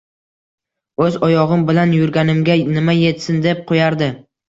“O‘z oyog‘im bilan yurganimga nima yetsin”, deb qo‘yardi